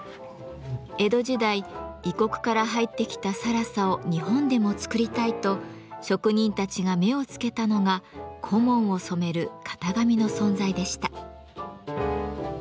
江戸時代異国から入ってきた更紗を日本でも作りたいと職人たちが目を付けたのが小紋を染める型紙の存在でした。